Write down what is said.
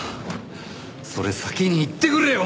それ先に言ってくれよ！